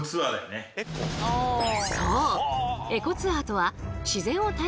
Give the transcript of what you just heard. そう！